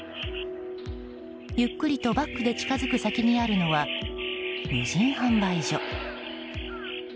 ゆっくりとバックで近づく先にあるのは無人販売所。